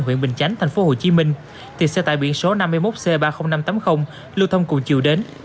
huyện bình chánh tp hcm thì xe tải biển số năm mươi một c ba mươi nghìn năm trăm tám mươi lưu thông cùng chiều đến